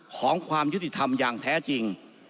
ความยุติธรรมอย่างแท้จริง